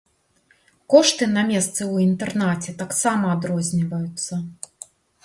Кошты на месцы ў інтэрнаце таксама адрозніваюцца.